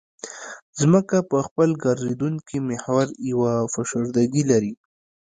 ځمکه په خپل ګرځېدونکي محور یوه فشردګي لري